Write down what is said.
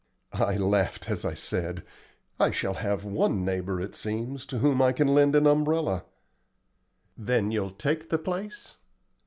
I laughed as I said, "I shall have one neighbor, it seems, to whom I can lend an umbrella." "Then you'll take the place?"